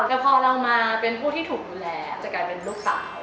แต่พอเรามาเป็นผู้ที่ถูกดูแลจะกลายเป็นลูกสาว